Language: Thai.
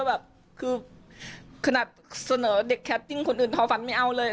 แบบคือขนาดเสนอเด็กแคปติ้งคนอื่นท้อฟันไม่เอาเลย